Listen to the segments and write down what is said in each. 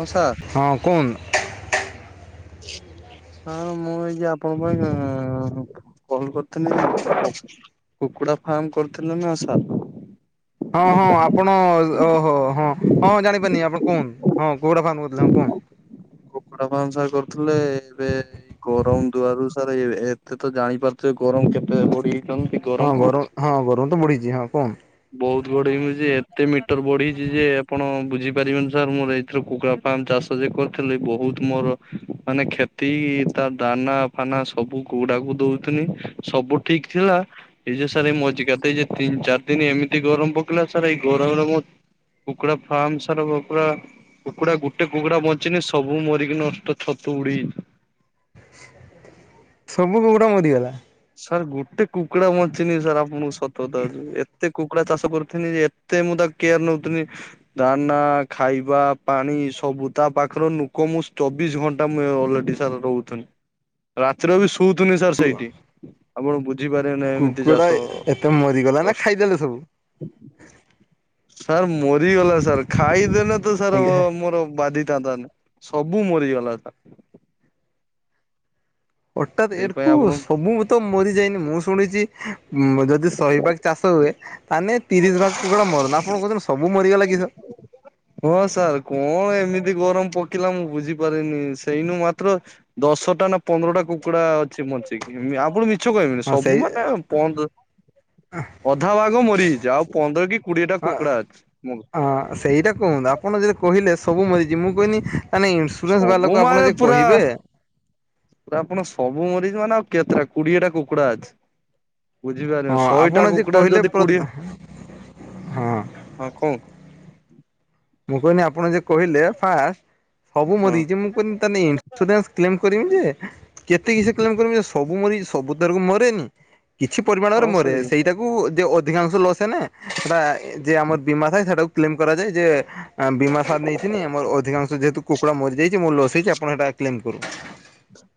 ହଁ ସା ହଁ କୁହନ୍ତୁ। ହଁ ମୁଁ ଏଇ ଯେ ଆପଣଙ୍କ ଏଇ ଉଁ କଲ୍ କରିଥିଲି କୁକୁଡ଼ା ଫାର୍ମ କରିଥିଲେ ନା ସା ହଁ ହଁ ଆପଣ ଓହୋ ହଁ ହଁ ଜାଣିପାରିନି ଆପଣ କୁହୁଁନ୍ ହଁ କୁକୁଡ଼ା ଫାର୍ମ କରିଥିଲେ ହଁ କୁହୁଁନ୍। [inaudible] କୁକୁଡ଼ା ଫାର୍ମ ସାର୍ କରୁଥୁଲେ ଏବେ ଏଇ ଗରମ ଦୁଆରୁ ସାରେ ଏ ଏତେ ତ ଜାଣିପାରୁଥୁବେ ଗରମ କେତେ ବଢେଇଚନ୍ତି। ହଁ ଗରମ ହଁ ଗରମ ତ ବଢ଼ିଚି ହଁ କୁହନ୍ତୁ। ବହୁତ ବଢ଼େଇ ମୁଁ ଯେ ଏତେ ମିଟର ବଢ଼ିଚି ଯେ ଆପଣ ବୁଝି ପାରିବେନି ସାର୍ ମୋର ଏଇ ଥର କୁକୁଡ଼ା ଫାର୍ମ ଚାଷ ଯେ କରିଥିଲି ବହୁତ ମୋର ମାନେ କ୍ଷତି ତା ଦାନା ଫାନା ସବୁ କୁକୁଡ଼ାକୁ ଦଉଥୁନି ସବୁ ଠିକ୍ ଥିଲା ଏଇ ଯେ ସାର୍ ଏଇ ମଜିକାତେ ଏଇ ଯେ ତିନ୍ ଚାର୍ ଦିନ ଏମିତି ଗରମ ପକେଇଲା ସାର୍ ଏଇ ଗରମରେ ମୋ କୁକୁଡ଼ା ଫାର୍ମ୍ ସାର୍ ଓ ପୁରା କୁକୁଡ଼ା ଗୋଟେ କୁକୁଡ଼ା ବଞ୍ଚିନି ସବୁ ମରିକି ନଷ୍ଟ ଛତୁ ଉଡ଼ି ସବୁ କୁକୁଡ଼ା ମରିଗଲା। ସାର୍ ଗୋଟେ କୁକୁଡ଼ା ବଞ୍ଚିନି ସାର୍ ଆ ମୁଁ ସତ କଥା ଅଚି ଏତେ କୁ କୁଡ଼ା ଚାଷ କରୁଥିନି ଯେ ଏତେ ମୁଁ ତା କେୟାର ନଉଥୁନି ଦାନା ଖାଇବା ପାଣି ସବୁ ତା ପାଖର ନୁକ ମୁଁ ଚବିଶ ଘ ତା ମିଅ ଅଲରେଡି ସାର୍ ଦଉଥୁନି ରାତିର ବି ଶୋଉଥୁନି ସାର୍ ସେଇଠି। ପଣ ବୁଝିପାରିବେ ନେଇଁ ଏମିତି କୁକୁଡ଼ା ଚାଷ ଏତେ ମରିଗଲା ନା କଷ୍ ଖାଇଦେଲେ ସବୁ। ସାର୍ ମରିଗଲା ସାର୍ ଖାଇଦେନେ ତ ସାର୍ ଆଜ୍ଞା ଅ ମୋର ବାଧିଥାନ୍ତାନି ସବୁ ମରିଗଲା ସା ମୁଁ ଅଟାତ୍ ସେଇଥିପାଇଁ ଏରୁକୁ ଆପଣ ସବୁ ମ ତ ମରି ଯାଇନି ମୁଁ ଶୁଣିଚି ଉଁ ଯଦି ଶହେବାଗ ଚାଷ ହୁଏ ତ ଆନେ ତିରିଶ ଭାଗ କୁକୁୁଡ଼ା ମରନ ଆପଣ କୋହୁଛନ୍ତି ସବୁ ମରିଗଲା କିସ? ହଁ ସାର୍ କଣ ଏମିତି ଗରମ ପକେଇଲା ମୁଁ ବୁଝିପାରିନି ସେଇନୁ ମାତ୍ର ଦଶଟା ନା ପନ୍ଦରଟା କୁକୁଡ଼ା ଅଛି ମଞ୍ଚିକି ମ ଆପଣ ମି ଛ କହିମିନି ହଁ ସେଇ ସବୁ ମାନେ ପନ୍ଦ ଅଧା ଭାଗ ମରିଯାଇଚି ଆଉ ପନ୍ଦର କି କୁଡିଏଟା କୁକୁଡ଼ା ଅଛି ମୋ୍। ଆ ସେଇଟା କୁହନ୍ତୁ ଆପଣ ଯେରା କହିଲେ ସବୁ ମରିଚି ମୁଁ କହିନି ତାନେ ଇନ୍ ସୁରାନ୍ସ ସବୁ ବାଲାକୁ ଆପଣ ଯେ କହିବେ। ତା ଆପଣ ସବୁ ମରିଚି ମାନେ ଆଉ କେତେଟା କୁଡିଏଟା କୁକୁଡ଼ା ଅଛି। ବୁଝିପାରିବ ହଁ ଆପଣ ଶହେଟା ଯେ କୁକୁଡ଼ାରୁ କହିଲେ ଯଦି ପ୍ର କୋଡିଏ ହଁ ହଁ କଉଁ। ମୁଁ କହିନି ଆପଣ ଯେ କହିଲେ ଫା ସବୁ ହଁ ମରିଚେ ମୁଁ କହିନି ତାନେ‌ ଇନ୍ସୁରାନ୍ସ କ୍ଲେମ୍ କରିମି ଯେ କେତେ କିଛି କେଲମ୍ କରିବି ଯେ ସ ବୁ ମରି ସବୁ ଥରକୁ ମରେନି କିଛି ପରିମାଣରେ ହଁ ମରେ ସେଇ ସେଇଟା ଉ ଯେ ଅଧିକାଂଶ ଲସ୍ ହେନେ ସେଟା ଯେ ଆମର ବୀମା ଥାଏ ସେଟାକୁ କେଲମ୍ କରାଯାଏ ଯେ ଆଁ ବୀମା ସାର୍ ନେଇଥିନି ମୋର ଅଧିକାଂଶ ଯେହେତୁ କୁକୁଡ଼ା ମରିଯାଇଚି ମୋର ଲସ୍ ହେଇଚି ଆପଣ ହେଟା କ୍ଲେମ କରୁ।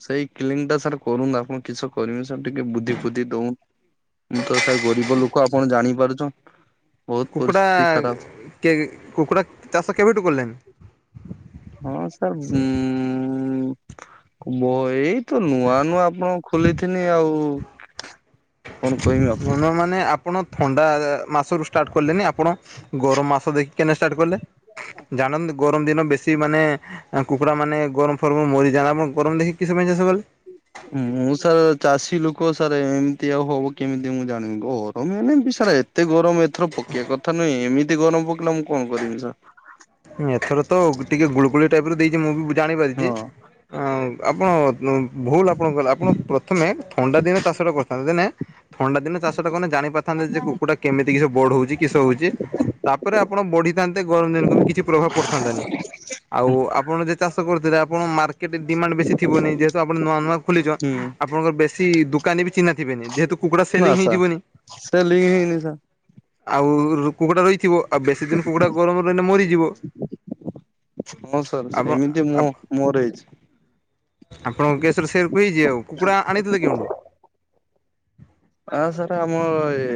ସେଇ କ୍ଲିଙ୍ଗଟା ସାର୍ କରୁନ୍ ଆପଣ କିସ କରମି ସାର୍ ଟିକେ ବୁଦ୍ଧି ଫୁଦ୍ଧି ଦଉଁ ମୁଁ ତ ସାର୍ ଗରିବ ଲୋକ ଆପଣ ଜାଣିପାରୁଚଁ। କୁକୁଡ଼ା କେ କୁକୁଡ଼ା ଚାଷ କେବେଠୁ କଲେଣି? ହଁ ସାର୍ ଉଁ ବ ଏଇ ତ ନୂଆ ନୂଆ ଆପଣ ଖୋଲେଇଥିନି ଆଉ କଣ କହିମି ଆପ ଭଲ ମାନେ ଆପଣ ଥଣ୍ଡା ମାସରୁୁ ଷ୍ଟାର୍ଟ କଲେନି ଆପଣ ଗରମ ମାସ ଦେଖିକି କାଇଁ ନା ଷ୍ଟାର୍ଟ କଲେ। ଜାଣନ୍ତି ଗରମ ଦିନ ବେଶୀ ମାନେ କୁକୁଡ଼ା ମାନେ ଗରମ ଫରମରୁ ମରିଯାଆନ୍ତି ଆପଣ ଗରମ ଦେଖି। କିସ ପାଇଁ ଚାଷ କଲେ। ମୁଁ ସାର୍ ଚାଷୀ ଲୋକ ସାରେ ଏମିତି ଆଉ ହବ କେମିତି ମୁଁ ଜାଣିବି ଗରମ ମାନେ ବି ସାରେ ଏ ଏତେ ଗରମ ଏଥର ପକେଇବା କଥା ନୁହେଁ ଏମିତି ଗରମ ପକେଇଲା ମୁଁ କଣ କରିବି ସାର୍। ହଁ ଏଥର ତ ଟିକେ ଗୁଳୁଗୁଳି ଟାଇପ ର ଦେଇଛି ମୁଁ ବି ଜାଣିପାରିଛି ହଁ ଅ ଆପଣ। ଉଁ ଭୁଲ ଆପଣ କଲେ ଆପଣ ପ୍ରଥମେ ଥଣ୍ଡା ଦିନେ ଚାଷ ଟା କରିଥାନ୍ତେ ଦେନେ। ଥଣ୍ଡା ଦିନେ ଚାଷ ଟା କରିନେ ଜାଣି ପାରିଥାନ୍ତେ ଯେ କୁକୁଡ଼ା। କେମିତି କିଶ ବଢଉଛି କିଷ ହଉଛି ତାପରେ ଆପଣ ବଢିଥାନ୍ତେ ଗରମ ଦିନକୁ ବି କିଛି। ପ୍ରଭାବ ପଡିଥାନ୍ତା ନି ଆଉ ଆପଣ ଯେ ଚାଷ କରୁଥିଲେ ଆ ଆପଣଙ୍କ ମାର୍କେଟ ଡିମାଣ୍ଡ ବେଶୀ ଥିବନିଁ ଯେହେତୁ ଆପଣ ନୂଆ ନୂଆ ଖୋଲିଛନ୍ ହୁଁ ଆପଣଙ୍କର ବେଶୀ ଦୁ ଦୋକାନୀ ବି ଚିହ୍ନା ଥିବେନି ଯେହେତୁ କୁକୁଡ଼ା ନା ସେଲିଂ ସାର୍ ହେଇଥିବନି। ସେ ଲିଙ୍କ୍ ହେଇନି ସାର୍ ଆଉ କୁକୁଡ଼ା ରହିଥିବ ଆଉ ବେଶୀ ଦିନ କୁକୁଡ଼ା ଗରମରେ ରହିଲେ ମରିଯିବ। ହଁ ସାର୍ ଆପଣ ସେମିତି ମୁଁ ମୋର ହେଇଛି। ଆପଣଙ୍କ କେସ୍ ରେ ସେରକୁ ‌ହେଇଛି ଆଉ କୁକୁଡ଼ା ଆଣିଥିଲେ କେଉଁଠୁ। ହଁ ସାର୍ ଆମ ଏ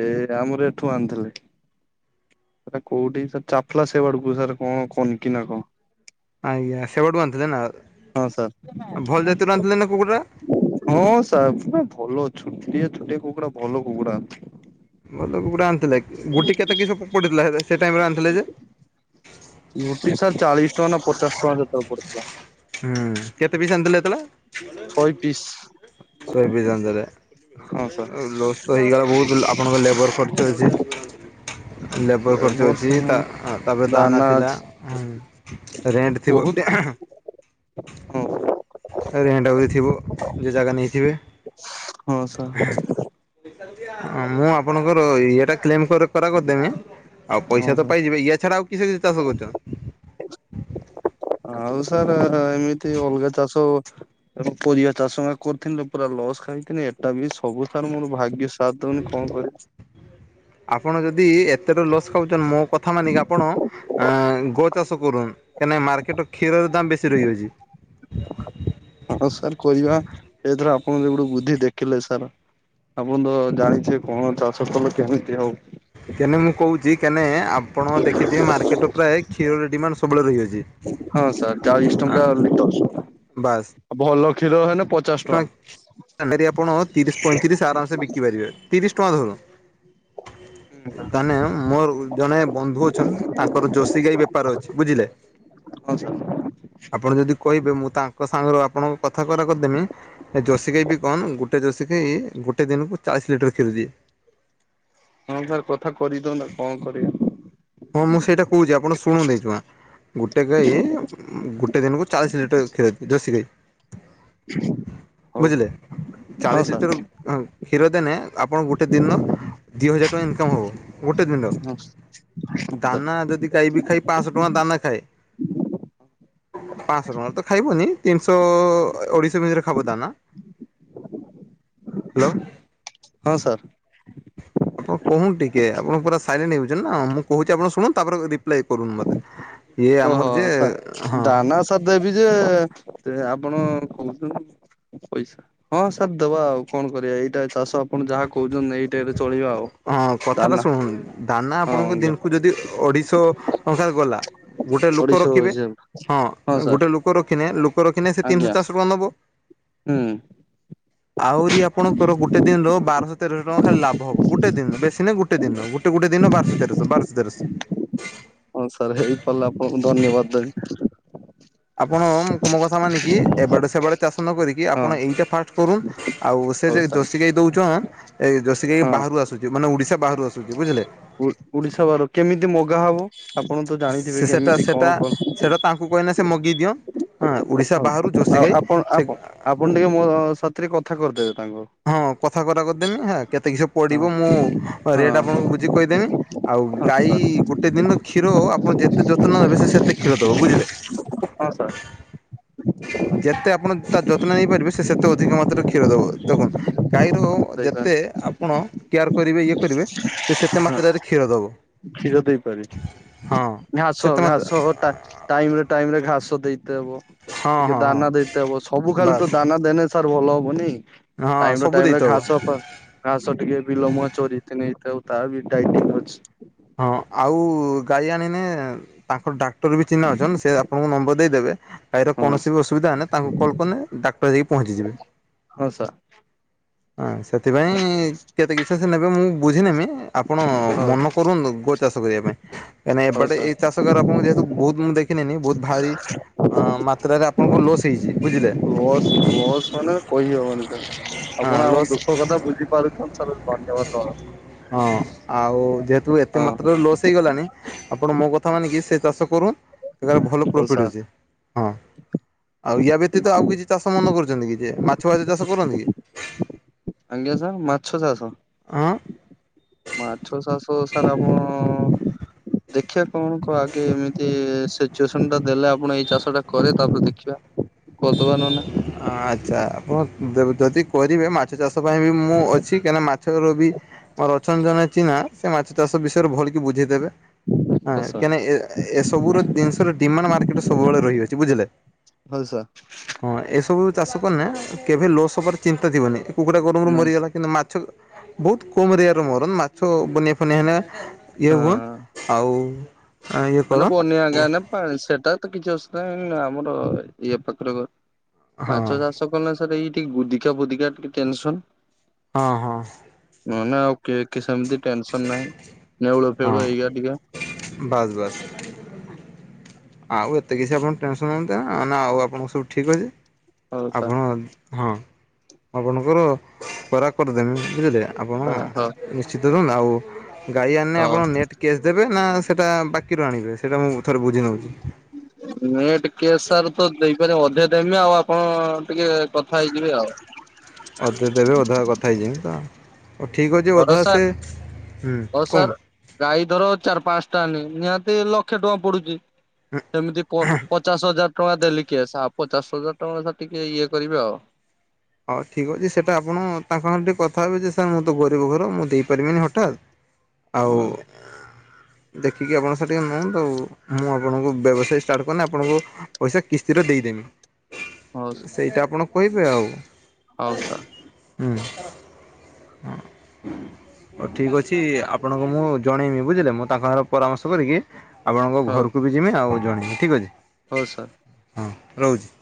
ଆମର ଏଠୁ ଆଣିଥିଲି। ସେଟା କୋଉଠି ସାର୍ ଚାପ୍ଲା ସେ ଆଡ଼କୁ ସାର୍ କଣ କନନ୍କିି ନା କଁ। ଆଜ୍ଞା ସେ ବାଡୁ ଆଣିଥିଲେ ନା। ହଁ ଭଲ ଜାତିରୁ ସାର୍। ଆଣିଥିଲେ ନା କୁକୁଡ଼ା ହଁ ସାର୍ ପୁରା ଭଲ ଛୋଟିଆ ଛୋଟିଆ କୁକୁଡ଼ା ଭଲ କୁକୁଡ଼ା ଆଣିଥିଲି। ଭଲ କୁକୁଡ଼ା ଆଣିଥିଲେ ଗୋଟେ କେତେ କିଶ ପଡିଥିଲା ସେତେ ସେ ଟାଇମ୍ ରେ ଆଣିଥିଲେ ଯେ। ଗୋଟି ସାର୍ ଚାଳିଶ ଟଙ୍କା ନା ପଚାଶ ଟଙ୍କା ସେତେବେଳେ ପଡିଥିଲା। ହୁଁ କେତେ ପିସ ଆଣି ଥିଲେ‌ ଶହେ ପିସ୍ ସେତେ ବେଳେ ଶଏ ଆଣି ଥିଲେ। ହଁ ସାର୍। ଆଉ ଲସ୍ ତ ହେଇଗଲା ବହୁତ ଆପଣଙ୍କ ଲେବର ଖର୍ଚ୍ଚ ଅଛି। ଲେବର ଏ ଖର୍ଚ୍ଚ ବର୍ଷ ଅଛି ତା ହଁ ତାପରେ ଦାନା ଥିଲା। ରେଣ୍ଟ ଥିବ। ବହୁତ ହଁ। ଆଉ ରେଣ୍ଟ ଆହୁରି ଥିବ ଯେ ଜାଗା ନେଇଥିବେ। ହଁ ସାର୍ ହଁ ମୁଁ ଆପଣଙ୍କର ଇଏଟା କ୍ଲେମ କରେ। ସେଟା କରିଦେମି ଆଉ ହଁ ପଇସା ତ ସାର୍। ପାଇଯିବେ ୟା ଛଡା ଆଉ କିସ କିସ୍ ଚାଷ କରିଛ। ଆଉ ସାର୍ ଏମିତି ଅଲଗା ଚାଷ। ଏ ମୁଁ ପରିବା ଚାଷ କରିଥିନି ଯେ ପୁରା ଲସ୍ ଖାଇଥିଲି ଏ ଟା ବି ସବୁ ସାର ମୋର ଭାଗ୍ୟ ସାଥ ଦଉନି କଣ କରିବି। ଆପଣ ଯଦି ଏତେ ରୁ ଲସ୍ ଖାଉଛନ୍ତି ମୋ କଥା ମାନିକି ଆପଣ। ଆଁ ଗୋ ଚାଷ କରନୁ କାହିଁକିନା ମାର୍କଟରେ କ୍ଷୀରର ଦାମ୍ ବେଶୀ ରହି ଯାଉଛି। ହଁ ସାର୍ କରିବା ଏଥର ଆପଣ ଯେବେ ଠୁ ବୁଦ୍ଧି ଦେଖିଲେ ସାର। ଆପଣ ତ ଜାଣିଛେ କଣ ଚାଷ କଲେ କେମିତି ଆଉ। କେନେ ମୁଁ କହୁଛି କେନେ। ଆପଣ ଦେଖିଥିବେ ମାର୍କେଟେ ରେ ପ୍ରାୟ କ୍ଷୀର ର ଡିମାଣ୍ଡ ସବୁବେଳେ ରହିଅଛି। ସାର ଚାଳିଶ ଟଙ୍କା ଲିଟର ବାସ୍ ଭଲ କ୍ଷୀର ହେଲେ ପ ଟଙ୍କା ତ ଆପଣ ତିରିଶି ପଇଁତିରିଶ ଆରାମସେ ବିକି ପାରିବେ ତିରିଶ ଟଙ୍କା ଧର। ଟଙ୍କା। ହୁଁ ତାନେ ମୋର ଜଣେ ବନ୍ଧୁ ଅଛନ୍ ତାଙ୍କର ଜର୍ସି ଗାଈ ବେପାର ଅଛି ବୁଝିଲେ। ହଁ ସାର୍ ଆପଣ ଯଦି କହିବେ ମୁଁ ତାଙ୍କ ସାଙ୍ଗରେ ଆପଣଙ୍କୁ କଥା କରା କରିଦେମି। ଏ ଜର୍ସି ଗାଇ ବି କନ ଗୋଟେ ଜର୍ସି ଗାଇ ଗୋଟେ ଦିନକୁ ଚାଳିଶ ଲିଟର କ୍ଷୀରି ଦିଏ। ହଁ ସାର୍ କଥା କରିଦଉନ କଣ କରିବା? ହଁ ମୁଁ ସେଇଟା କହୁଛି ଆପଣ ଶୁଣ ଦେଇଛୁଆଁ। ଗୋଟେ ଗାଈ ଗୋଟେ ଦିନକୁ ଚାଳିଶ ଲିଟର କ୍ଷୀର ଦେବେ ଜଷୀ ଗାଈ। ହଉ ବୁଝିଲେ? ହଁ ଚାଳିଶ ସାର୍ ଲିଟର କ୍ଷୀର ଦେଲେ ଆପଣ ଗୋଟେ ଦିନ ଦି ହଜାର ଟଙ୍କା ଇନ୍ କମ୍ ହବ ଗୋଟେ ଦିନ। ହ ଦାନା ଯଦି ଖାଇବି ଖାଇ ପାଞ୍ଚଶହ ଟଙ୍କା ଦାନା ଖାଏ। ପାଞ୍ଚଶହ ଟଙ୍କାର ତ ଖାଇବନି ତିନିଶହ ଅଢ଼େଇଶ ଭିତରେ ଖାଇବ ଦାନା। [inaudible] ହ୍ୟାଲୋ ହଁ ସାର୍। ଆପଣ କହୁନୁ ଟିକେ ଆପଣଙ୍କୁ ପୁରା ସାଇଲେଣ୍ଟ ହେଇଯାଛନ୍ତି ନା ମୁଁ କହୁଛି ଆପଣ ଶୁଣୁ ତାପରେ ରିପ୍ଲାଏ କରୁନୁ ମୋତେ ଇଏ ଆମର ଯେ ହଁ। ତ ଦେବି ଯେ ଆପଣ କହୁଛନ୍ତି। ପଇସା ହଁ ସାର୍ ଦେବା ଆଉ କଣ କରିବା ଏଇଟା ଚାଷ ଆପଣ ଯାହା କହୁଛନ୍ତି ଏଇ ହଁ କଥାଟା ଶୁଣ ଦାନା ହଁ ଆପଣଙ୍କ ଆଜ୍ଞା ଦିନକୁ ଯଦି ଅଢ଼େଇଶ ଟଙ୍କା ଗଲା ଗୋଟେ ଲୋକ ଅଢେଇଶ ରଖିବେ ହିସାବ ହଁ ଗୋଟେ ଲୋ ଲୋକରଖିଲେ ଲୋକରଖିନେ ସେ ଆଜ୍ଞା ତିନିଶହ ଚାରଶ ଟଙ୍କା ନବ। ହୁଁ। ଆହୁରି ଆପଣଙ୍କର ଗୋଟେ ଦିନର ବାରଶହ ତେରଶହ ଟଙ୍କା ଖାଲି ଲାଭ ହବ ଗୋଟେ ଦିନରେ ବେଶୀ ନାହିଁ ଗୋ ଗୋଟ ଦିନ ଗୋଟେ ଗୋଟେ ଦିନ ବାରଷ ତେରଷ ବାରଷ ତେରଷ। ହଁ ସାର୍ ହେଇପାରିଲେ ଆପଣଙ୍କୁ ଧନ୍ୟବାଦ ଦେବି। ଆପଣ ମୋ କଥା ମାନିକି ଏ ବାଡେ ସେ ବାଡେ ଚାଷ ନ କରିକି ହଁ ଆପଣ ଏଇଟା ଫାଷ୍ଟ କରୁ ଆଉ ସେ ହଉ ଯୋଉ ସାର୍ ଦଶି ଗାଈ ଦୋଉଚ ଆଁ ଏ ଜର୍ସି ଗାଈ ହଁ ବାହାରୁ ଆସୁ ତି ମାନେ ଓଡିଶା ବାହାରୁ ଆସୁଛି ବୁଝିଲେ। ଓଡିଶା ବାହାରୁ କେମିତି ମଗା ହବ ଆପଣ ତ ସେ ଜାଣିଥିବେ କି ସେଟା ଏମିତି ସେଟା କଣ କରୁଚନ୍ତି। ସେଟା ତାଙ୍କୁ କହିନେ ସେ ମଗେଇ ଦିଅ ହଁ ଓଡ଼ିଶା ହଉ ବାହାରୁ ଜୋଶୀ ଆଉ ଗାଈ ଆପଣ ସେ ଆପଣ ଆପଣ ଟିକେ ମୋ ସାଥିରେ କଥା କରିଦେବେ ତାଙ୍କୁ। ହଁ କଥା କରା କରିଦେମି ହେ କେତେ କିଛି ହଁ ପଡିବ ମୁଁ ହଁ ରେଟ୍ ଆପଣଙ୍କୁ ବୁଝିକି କହିଦେମି। ଆଉ ହଁ ଗାଈ ସାର୍ ଗୋଟେ ଦିନ କ୍ଷୀର ଆପଣ ଯେତେ ଯତ୍ନ ନେବେ ସେ ସେତେ କ୍ଷୀର ଦବ ବୁଝିଲେ। ହଁ ହଁ ସାର୍। ଯେତେ ଆପଣ ତାର ଯତ୍ନ ନେଇପାରିବେ ସେ ସେତେ ଅଧିକ ମାତ୍ରାରେ କ୍ଷୀର ଦେବ। ଦେଖନ୍ତୁ ଗାଈର ଦେଇପାରେ ଯେତେ ଆପଣ କେୟାର କରିବେ ଇଏ କରିବେ ସେ ସେତେ ହଁ ମାତ୍ରାରେ କ୍ଷୀର ଦବ। କ୍ଷୀର ଦେଇପାରେ ଘାସ ସେତେ ମାତ୍ରା ଘାସ ଘଟା। ଟାଇମ୍ ରେ ଟାଇମ୍ ରେ ଘାସ ଦେଇତେ ହବ ହଁ ଟିକେ ହଁ ହଁ ଦାନା ଦେଇେ ହବ ସବୁ ଖାଲି ବାସ୍ ତ ଦାନା ଦେନେ ସାରୁ ଭଲ ହବନି ହଁ ଟାଇମ୍ ରେ ସବୁ ଟାଇମ୍ ରେ ଦେଇଥବ ଘାସ ଫା ଘାସ ଟିକେ ବିିଲମ ଚୋରି ନେଇଥାଉ ତା ବି ଟାଇଟେଲ୍ ଅଛି। ହଁ ଆଉ ଗାଈ ଆଣିନେ ତାଙ୍କର ଡାକ୍ତର ବି ଚିହ୍ନା ଅଛନ୍ତି ସେ ଆପଣଙ୍କୁ ନମ୍ବର ଦେଇଦେବେ। ଗାଈର ହଁ କୌଣସି ବି ଅସୁବିଧା ହେନେ ତାଙ୍କୁ କଲ୍ କଲେ ଡାକ୍ତର ଯାଇକି ପହଞ୍ଚିଯିବେ। ହଁସ ହଁ ସେଥିପାଇଁ କେତେ କିଛି ସେ ନେବେ ମୁଁ ବୁଝି ନେମି। ଆପଣ ହଉ ମନ କରୁନ୍ତୁ ଗୋ ଚାଷ କରିବା ପାଇଁ କାହିଁକିନା ହଉ ଏବାଡେ ସାର୍ ଏଇ ଚାଷ ଆପଣଙ୍କୁ ଯେହେତୁ ବହୁତ ମୁଁ ଦେଖିନେନି ବହୁତ ଭାରି ମାତ୍ରାରେ ଆପଣଙ୍କୁ ଲୋସ୍ ହେଇଛି ବୁଝିଲେ। ବସ୍ ବସ୍ ମାନେ କହିହବନି କି ହଁ ଆପଣ ଆମ ଲସ୍ ଦୁଃଖ କଥା ବୁଝିପାରୁଛନ୍ତି ତାଲେ ଧନ୍ୟବାଦ। ହଁ ଆଉ ଯେହେତୁ ଏତେ ହଁ ମାତ୍ରରେ ଲସ୍ ହେଇଗଲାଣି। ଆପଣ ମୋ କଥା ମାନିକି ସେ ଚାଷ କରୁ ସେ ଭଲ ହଉ ପ୍ରଫିଟ୍ ସାର୍। ଅଛି। ହଁ ଆଉ ୟା ବ୍ୟତୀତ ଆଉ କିଛି ଚାଷ ମନେ କରୁଛନ୍ତି କି ଯେ ମାଛ ମାଛ ଚାଷ କରନ୍ତି କି? ଆଜ୍ଞା ସ ମାଛ ଚାଷ। ହଁ ମାଛ ଚାଷ ସାର ଆମ ଦେଖିବା କଣ କ ଆଗେ ଏମିତି ସିଚୁଏସନ ଟା ଦେଲେ ଆପଣ ଏଇ ଚାଷ ଟା କରେ ତାପରେ ଦେଖିବା। କତ ବ ନୁ ନା ଆଚ୍ଛା ଆପଣ ଯଦି କରିବେ ମାଛ ଚାଷ ପାଇଁ ବି ମୁଁ ଅଛି କାହିଁକିନା ମାଛର ବି ମମର ଅଚଛନ୍ତି ଜଣେ ଚିହ୍ନା ସେ ମାଛ ଚାଷ ବିଷୟରେ ଭଲ କିି ବୁଝିଦେବେ। ହଉ ସାର୍। ହଁ ଏ ସବୁର ଜିନିଷ ର ଡିମାଣ୍ଡ ମକେଟ ସବୁବେଳେ ରହିଅଛି ବୁଝିଲେ। ହଲସ ହଁ ଏସବୁ ଚାଷ କନ କେବେ ଲୋସବାର ଚିନ୍ତା ଥିବନି କୁକୁଡ଼ା ଗରମ ରୁ ନାଇଁସ୍ ମରିଗଲା କିନ୍ତୁ ମାଛ ମାଛ ବହୁତ କମ ରେର ମରନ୍ ମାଛ ବନଆ ଫନିଆ ହେ ଇଏ ହଁ ହୁଅନ୍ ଆଉ ଇଏ ମାନେ କରନ୍ ବନି ଆଜ୍ଞା ପା ସେଟା ତ କିଛି ଅୁ ଆମର ଇଏ ପାଖରେ ଘରେ ହଁ ମାଛ ଚାଷ କଲେ ସାର୍ ଏଇ ଟିକେ ଗୁଧିକା ଫୋଧିକା ଟିକେ ଟେନସନ ହଁ ହଁ ନ ନା କି କି ସେମିତି ଟେନସନ ନାହିଁ ନେଉଳୁ ହଁ ଫେଉଳୁ ହେଇଗା ଟିକେ। ବାସ୍ ବାସ୍ ଆଉ ଏତେ କିଛି ଆପଣ ଟେନସନ୍ ନିଅନ୍ତେ ନା ନା ଆଉ ଆପଣଙ୍କ ସବୁ ଠିକ୍ ଅଛି ହଉ ସାର୍ ଆପଣ ହଁ ଆପଣଙ୍କର ଖରା କରିଦେମି ବୁଝିଲେ ଆପଣ ହଁ ହଁ ଶତ ଆଉ ଗାଈ ଆଣେ ହଉ। ଆପଣ ନେଟ୍ କେସ୍ ଦେବେ ନା ସେଇଟା ବାକିରୁ ଆଣିବେ ସେଇଟା ମୁଁ ଥରେ ବୁଝି ନେଉଛି। ନେଟ କେସ୍ ତ ଦେଇପାରିବେ ଅଧିକ ଦେମି ଆଉ ଆପଣ ଟିକେ ହେଇଯିବି ଆଉ ଅତ ଦେବେ ଅଧା କଥା ହେଇଯାଇ ତଉ ଠିକ୍ ଅଛି ଅଧା ଭରସା ସେ ହୁଁ ହଉ କୁଣ ସାର୍ ଗାଈ ଧର ଚାରି ପାଞ୍ଚଟାନି ନିହାତି ଲକ୍ଷେ ଟଙ୍କା ପଡୁଛି। ସେମିତି ପଚାଶ ହଜାର। ଟଙ୍କା ଦେଲି କିଏ ପଚାଶ ହଜାର ଟଙ୍କା ଟିକେ ଇଏ କରିବେ ଆଉ ହଉ ଠିକ୍ ଅଛି ସେଇଟା ଆପଣ ତାଙ୍କ ସାଙ୍ଗରେ ଟିକେ କଥା ହେବେ ଯେ ସାର୍ ମୁଁ ତ ଗରିବ ଘର ମୁଁ ଦେଇପାରିବିନି ହଠାତ୍ ଆଉ ହଁ। ଦେଖିକି ଆପଣ ସେଠିକ ନେଅନ୍ତୁ ମୁଁ ଆପଣଙ୍କୁ ବ୍ୟବସାୟ ଷ୍ଟାର୍ଟ କରନି ଆପଣଙ୍କୁ ପଇସା କିସ୍ତିରେ ଦେଇଦମି ହଉ ସେଇଟା ଆପଣ କହିବେ ଆଉ ହଉ ସାର୍। ହୁଁ ହଁ ହ ଠିକ ଅଛି ଆପଣଙ୍କୁ ମୁଁ ଜଣେଇମି ବୁଝିଲେ ମୁଁ ତାଙ୍କ ଘର ପରାମର୍ଶ କରିକି ଆପଣଙ୍କ ହଉ ଘରକୁ ବି ଯିବେ ଆଉ ଜଣେଇିବି ଠିକ ଅଛି। ହଉ ସାର୍। ହଁ ରହୁଛି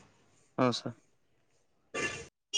ହଁ ସାର୍।